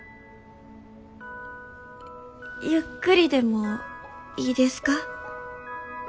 ゆっくりでもいいですか？